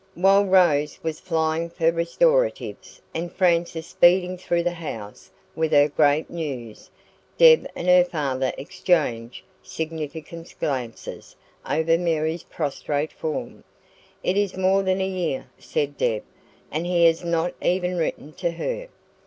While Rose was flying for restoratives, and Frances speeding through the house with her great news, Deb and her father exchanged significant glances over Mary's prostrate form. "It is more than a year," said Deb, "and he has not even written to her."